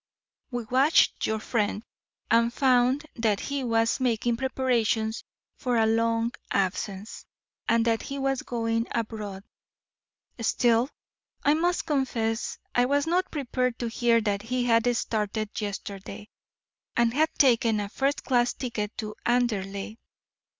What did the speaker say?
We watched your friend, and found that he was making preparations for a long absence, and that he was going abroad. Still, I must confess, I was not prepared to hear that he had started yesterday, and had taken a first class ticket to Anderley.